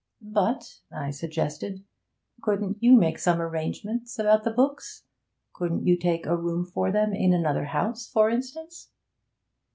'But,' I suggested, 'couldn't you make some arrangements about the books? Couldn't you take a room for them in another house, for instance?'